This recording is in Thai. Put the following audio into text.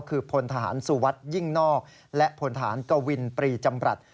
คือพลทหารสุวัสดิ์ยิ่งนอกและพลฐานกวินปรีจำรัฐ